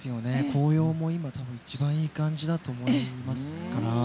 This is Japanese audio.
紅葉も、多分今が一番いい感じだと思いますから。